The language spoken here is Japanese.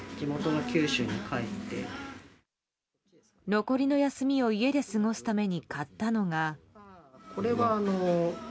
残りの休みを家で過ごすために買ったのが。